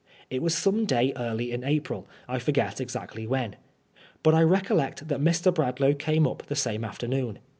It was some day early in THE THIBD TBIAL. 15$ April ; I forget exactly when. But I recollect that Mr. Bradlangh came up the same afternoon.